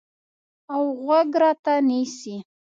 اوغوږ راته نیسي